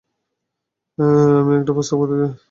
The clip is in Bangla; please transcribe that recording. আমি একটি প্রস্তাব করতে চাই।